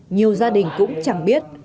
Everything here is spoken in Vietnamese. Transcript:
nhiều gia đình cũng chẳng biết